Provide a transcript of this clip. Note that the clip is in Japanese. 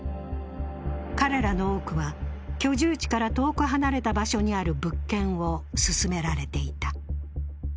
彼らの多くは、居住地から遠く離れた場所にある物件を薦められていた。